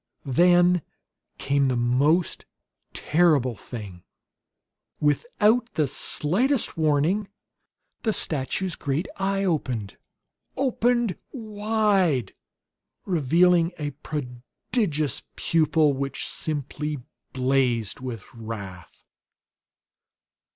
Then came the most terrible thing. Without the slightest warning the statue's great eye opened! Opened wide, revealing a prodigious pupil which simply blazed with wrath!